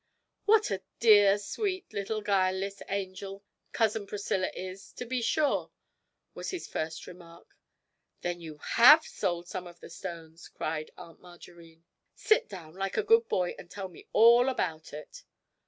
'What a dear sweet little guileless angel cousin Priscilla is, to be sure!' was his first remark. 'Then you have sold some of the stones!' cried Aunt Margarine. 'Sit down, like a good boy, and tell me all about it.'